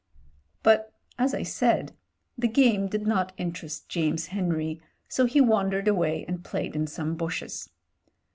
But as I said, the game did not interest James Henry, so he wandered away and played in some bushes.